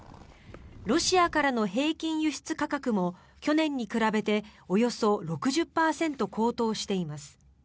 ロシアからの平均輸出価格も去年に比べておよそ６０％高騰しています。